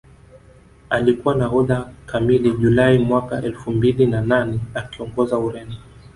Alikuwa nahodha kamili Julai mwaka elfu mbili na nane akiongoza Ureno